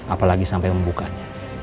apalagi sampai membukanya